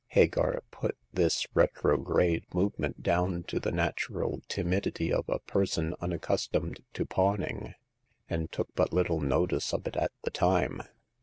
Hagar put this re trograde movement down to the natural timidity of a person unaccustomed to pawning, and took but little notice of it at the time.